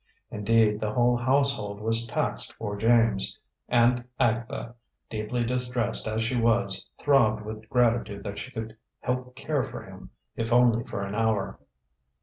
Indeed, the whole household was taxed for James; and Agatha, deeply distressed as she was, throbbed with gratitude that she could help care for him, if only for an hour.